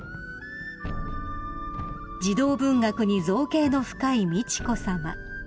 ［児童文学に造詣の深い美智子さま］